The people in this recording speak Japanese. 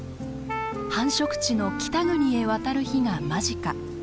繁殖地の北国へ渡る日が間近。